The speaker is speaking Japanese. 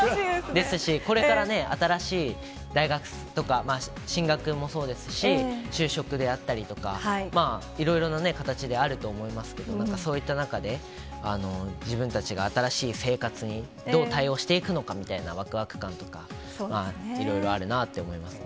ですし、これからね、新しい、大学とか、進学もそうですし、就職であったりとか、いろいろな形であると思いますけど、なんかそういった中で、自分たちが新しい生活にどう対応していくのかみたいなわくわく感とか、いろいろあるなって思いましたね。